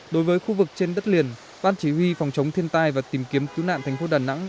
đối với khu vực trên đất liền ban chỉ huy phòng chống thiên tai và tìm kiếm cứu nạn thành phố đà nẵng